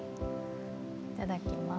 いただきます。